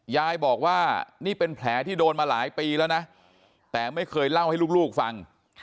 ยายบอกว่านี่เป็นแผลที่โดนมาหลายปีแล้วนะแต่ไม่เคยเล่าให้ลูกฟัง